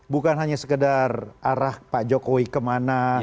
bukan hanya sekedar arah pak jokowi kemana